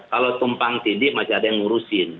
kalau tumpang tindih masih ada yang ngurusin